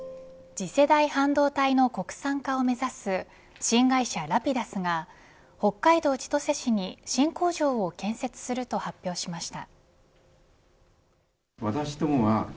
次世代半導体の国産化を目指す新会社Ｒａｐｉｄｕｓが北海道千歳市に新工場を建設すると発表しました。